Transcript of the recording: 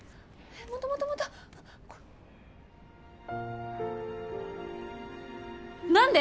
もっともっともっと何で！？